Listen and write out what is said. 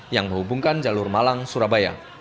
yang menghubungkan jalur malang surabaya